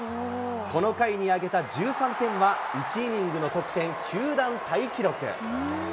この回に挙げた１３点は、１イニングの得点、球団タイ記録。